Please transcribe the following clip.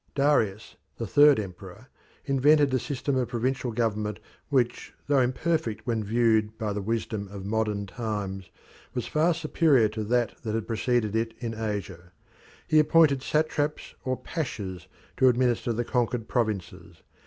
Darius, the third emperor, invented a system of provincial government which, though imperfect when viewed by the wisdom of modern times, was far superior to any that had preceded it in Asia. He appointed satraps or pashas to administer the conquered provinces.